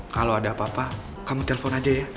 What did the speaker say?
kalau ada apa apa kamu telpon aja ya